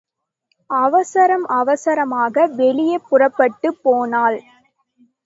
அவசரம் அவசரமாக வெளியே புறப்பட்டு போனாள்.